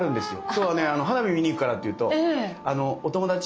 「今日はね花火見に行くから」って言うと「お友達？」